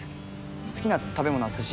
好きな食べ物は寿司。